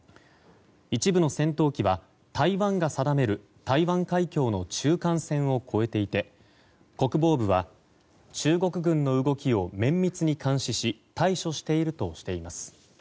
一部の戦闘機は台湾が定める台湾海峡の中間線を越えていて国防部は中国軍の動きを綿密に監視し対処しているとしています。